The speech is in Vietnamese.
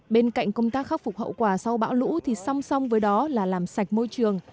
bên cạnh công tác khắc phục hậu quả sau bão lũ thì song song với đó là làm sạch môi trường